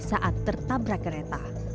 saat tertabrak kereta